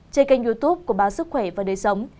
trên kênh youtube của báo sức khỏe và đời sống